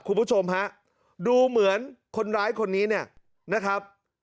คุณผู้ชมฮะดูเหมือนคนร้ายคนนี้เนี่ยนะครับ